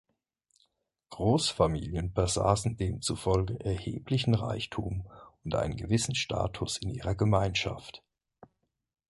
Großfamilien besaßen demzufolge erheblichen Reichtum und einen gewissen Status in ihrer Gemeinschaft.